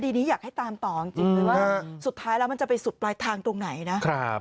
คดีนี้อย่างให้ตามต่อแม่ว่าสุดท้ายเราจะไปสุดปลายทางตรงไหนนะ